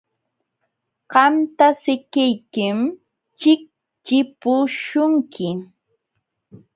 Qamta sikiykim chiqchipuśhunki.